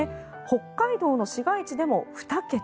北海道の市街地でも２桁。